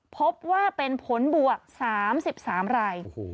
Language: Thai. พบว่าเป็นผลบวก๓๓ราย